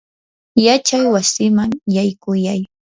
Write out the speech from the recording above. yachaywasiman yaykuyay.